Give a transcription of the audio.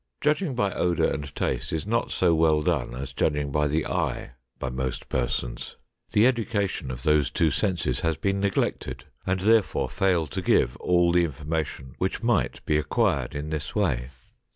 Judging by odor and taste is not so well done as judging by the eye by most persons. The education of those two senses has been neglected and therefore fail to give all the information which might be acquired in this way.